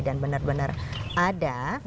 dan benar benar ada